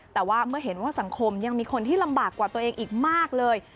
แต่ว่าเมื่อเห็นว่าสังคมยังมีคนที่ลำบากกว่าตัวเองอีกมากเลย